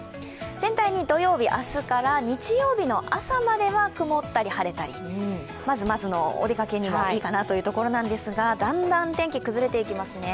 全体に土曜日、明日から日曜日の朝までは曇ったり晴れたり、まずまずのお出かけにもいいかなというところなんですが、だんだん天気が崩れていきますね。